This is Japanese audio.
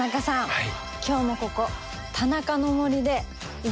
はい。